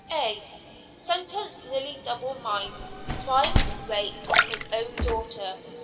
A. Sentence nearly double mine. Crime, rape on his own daughter.